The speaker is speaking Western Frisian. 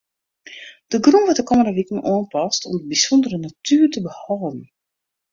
De grûn wurdt de kommende wiken oanpast om de bysûndere natoer te behâlden.